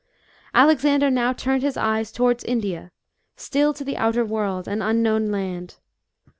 Alexander now turned his eyes towards India, still to the outer world, an unknown land.